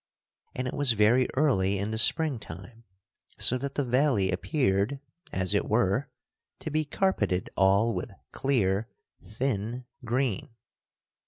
And it was very early in the spring time, so that the valley appeared, as it were, to be carpeted all with clear, thin green.